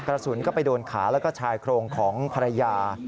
กระสุนก็ไปโดนขาแล้วก็ชายโครงของภรรยา